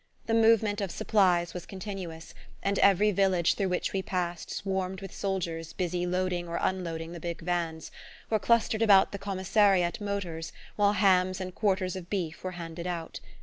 The movement of supplies was continuous, and every village through which we passed swarmed with soldiers busy loading or unloading the big vans, or clustered about the commissariat motors while hams and quarters of beef were handed out.